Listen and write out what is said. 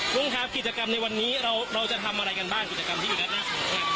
ลุงครับกิจกรรมในวันนี้เราจะทำอะไรกันบ้างกิจกรรมที่อยู่ด้านหน้าของท่าน